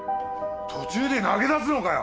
途中で投げ出すのかよ！